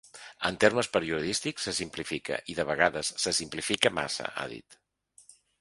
En termes periodístics se simplifica i de vegades se simplifica massa, ha dit.